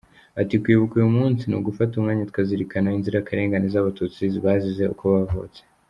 Ati “Kwibuka uyu munsi ni ugufata umwanya tukazirikana inzirakarengane z’Abatutsi bazize uko bavutse.